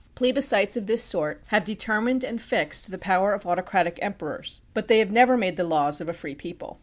Plebiscites of this sort have determined and fixed the power of autocratic emperors, but they have never made the laws of a free people.